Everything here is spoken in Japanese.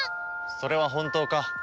それは本当か？